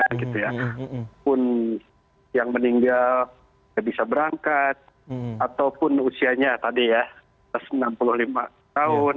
walaupun yang meninggal tidak bisa berangkat ataupun usianya tadi ya enam puluh lima tahun